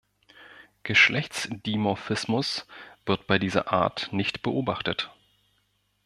Geschlechtsdimorphismus wird bei dieser Art nicht beobachtet.